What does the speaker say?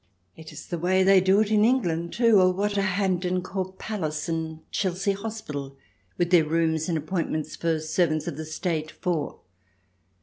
* It is the way they do it in England, too; or what are Hampton Court Palace and Chelsea Hospital, with their rooms and appointments for servants of the State, for